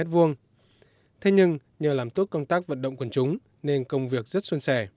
thế nhưng nhờ làm tốt công tác vận động quần chúng nên công việc rất xuân sẻ